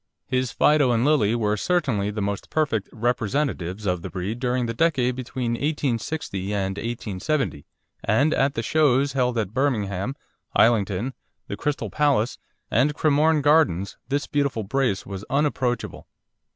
His Fido and Lily were certainly the most perfect representatives of the breed during the decade between 1860 and 1870, and at the shows held at Birmingham, Islington, the Crystal Palace, and Cremorne Gardens, this beautiful brace was unapproachable.